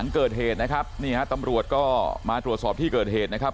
เกิดเหตุนะครับนี่ฮะตำรวจก็มาตรวจสอบที่เกิดเหตุนะครับ